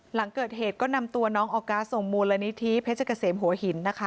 หลังเกิดเหตุก็นำตัวน้องออกัสส่งมูลนิธิเพชรเกษมหัวหินนะคะ